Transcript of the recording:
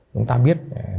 chúng ta biết